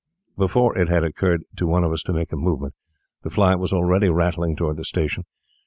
Before it had occurred to one of us to make a movement the fly was already rattling toward the station.